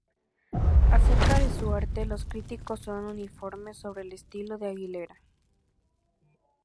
Acerca de su arte, los críticos son uniformes sobre el estilo de Aguilera.